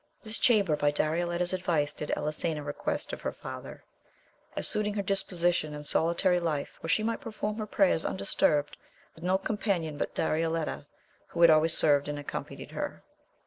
This chamber, by Darioleta's advice, did EUsena request of her father, as suiting her disposition and solitary life, where she might perform her prayers undisturbed, with no companion but Darioleta, who had always served and accompanied her.